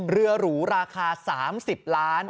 หรูราคา๓๐ล้าน